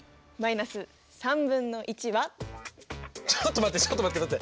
ちょっと待ってちょっと待って待って！